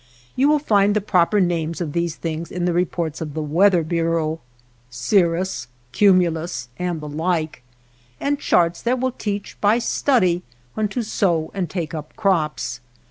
.You will find the proper names of these things in the reports 261 NURSLINGS OF THE SKY of the Weather Bureau — cirrus, cumulus, and the like — and charts that will teach by study when to sow and take up crops.